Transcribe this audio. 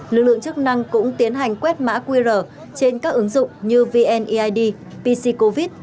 lực lượng chức năng cũng tiến hành quét mã qr trên các ứng dụng như vneid pc covid